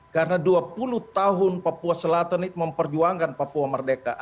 karena dua puluh tahun papua selatan itu memperjuangkan papua merdeka